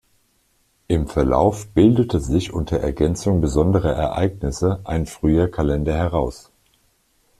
Im Verlauf bildete sich unter Ergänzung besonderer Ereignisse ein früher Kalender heraus.